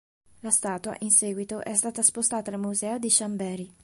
La statua in seguito è stata spostata al museo di Chambéry.